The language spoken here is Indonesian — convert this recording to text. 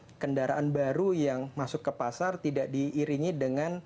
tidak ada kendaraan yang baru yang masuk ke pasar tidak ada kendaraan yang baru yang masuk ke pasar